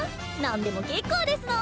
何でも結構ですの！